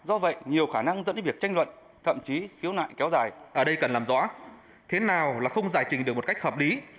ở đây cần làm rõ thế nào là không giải trình được một cách hợp lý